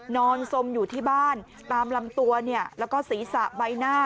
นอนสมอยู่ที่บ้านตามลำตัวแล้วก็ศีรษะใบหน้า